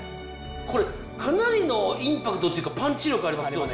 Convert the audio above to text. これかなりのインパクトっていうかパンチ力ありますよね。